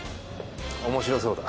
面白そうだ。